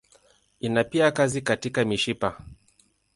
Ina pia kazi katika mishipa.